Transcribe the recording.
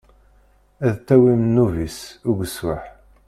Ad tawim ddnub-is, ugeswaḥ.